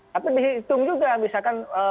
tapi dihitung juga misalkan